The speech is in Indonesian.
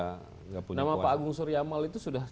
punya keuangan nama pak agung suryamal itu sudah